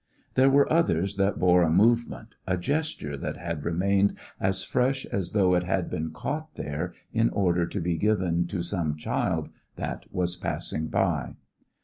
There were others that bore a movement, a gesture that had remained as fresh as though it had been caught there in order to be given to some child that was passing by.